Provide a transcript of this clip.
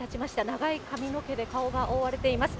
長い髪の毛で顔が覆われています。